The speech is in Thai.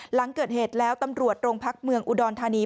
หลังเกิดเหตุแล้วตำรวจโรงพักเมืองอุดรธานี